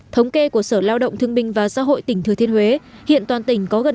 thống kê của sở lao động thương binh và xã hội tỉnh thừa thiên huế hiện toàn tỉnh có gần một mươi ba